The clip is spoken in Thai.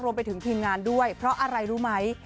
รวมไปถึงทีมงานด้วยเพราะอะไรรู้ไหม